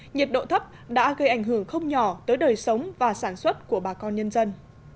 nhiệt độ thấp đã gây ảnh hưởng không nhỏ tới đời sống và sản xuất của bà con nhân dân